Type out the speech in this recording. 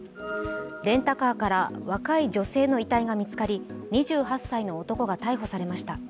レンタカーから若い女性の遺体が見つかり２８歳の男が逮捕されました。